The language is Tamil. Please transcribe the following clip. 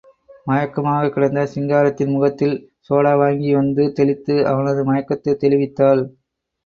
மயக்கமாகக்கிடந்த சிங்காரத்தின் முகத்தில் சோடா வாங்கி வந்து தெளித்து, அவனது மயக்கத்தைத் தெளிவித்தாள்.